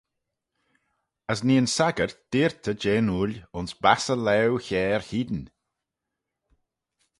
As nee'n saggyrt deayrtey jeh'n ooil ayns bass e laue chiare hene.